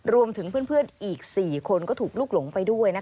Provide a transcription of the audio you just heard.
รวมถึงเพื่อนอีก๔คนก็ถูกลุกหลงไปด้วย